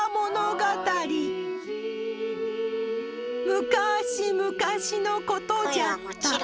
むかしむかしのことじゃった。